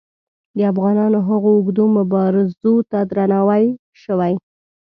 د افغانانو هغو اوږدو مبارزو ته درناوی شوی.